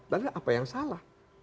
lalu apa yang salah